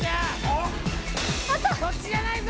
そっちじゃないぞ！